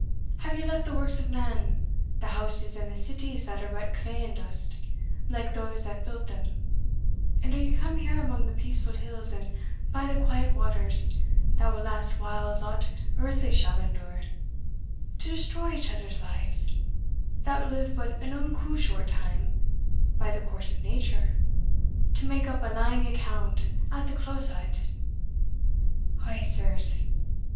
Have ye left the works of man, the houses and the cities that are but clay and dust, like those that built them and are ye come here among the peaceful hills, and by the quiet waters, that will last whiles aught earthly shall endure, to destroy each other's lives, that will have but an unco short time, by the course of nature, to make up a lang account at the close o't? O sirs!